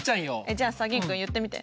じゃあさ玄君言ってみて。